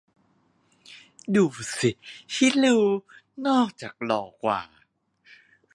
ดูสิ ชิรูด์ นอกจากหล่อกว่า